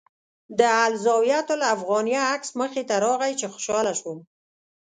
د الزاویة الافغانیه عکس مخې ته راغی چې خوشاله شوم.